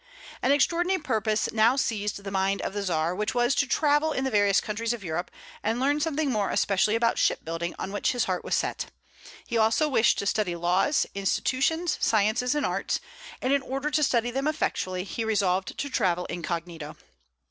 An extraordinary purpose now seized the mind of the Czar, which was to travel in the various countries of Europe, and learn something more especially about ship building, on which his heart was set. He also wished to study laws, institutions, sciences, and arts; and in order to study them effectually, he resolved to travel incognito.